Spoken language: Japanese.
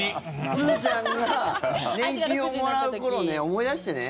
すずちゃんが年金をもらう頃、思い出してね。